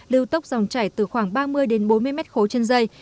lưu tốc dòng chảy từ khoảng ba mươi bốn mươi m khối chân dây